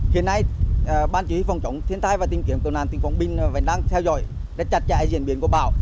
hiện nay ban chỉ huy phòng chống thiên tai và tìm kiểm cầu nàn tỉnh quảng binh vẫn đang theo dõi đất chặt chạy diễn biến của bão